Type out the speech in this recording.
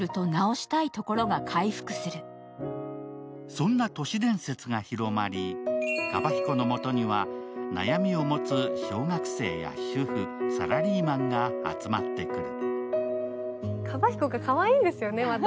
そんな都市伝説が広まり、カバヒコのもとには悩みを持つ小学生や主婦、サラリーマンが集まってくる。